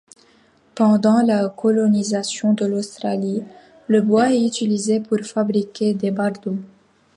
Pendant la colonisation de l'Australie, le bois est utilisé pour fabriquer des bardeaux.